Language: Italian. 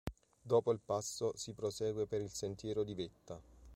Dopo il passo si prosegue per il sentiero di vetta.